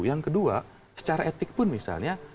yang kedua secara etik pun misalnya